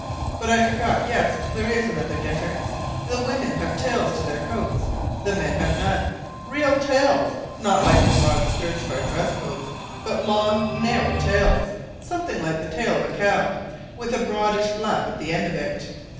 But I forgot yes, there is one other difference; the women have tails to their coats; the men have none! Real tails not like the broad skirts of our dress coats, but long, narrow tails, something like the tail of a cow, with a broadish flap at the end of it.